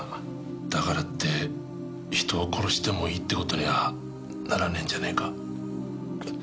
だからって人を殺してもいいって事にはならねえんじゃねえか？